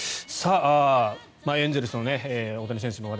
エンゼルスの大谷選手の話題